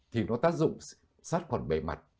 thì nó tác dụng sát khoảng bảy mặt